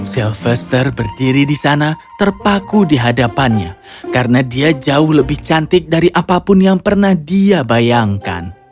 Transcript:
sylvester berdiri di sana terpaku di hadapannya karena dia jauh lebih cantik dari apapun yang pernah dia bayangkan